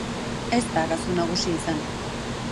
Ez da arazo nagusia izan.